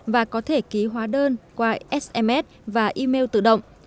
và có thể ký hóa đơn qua sms và email tự động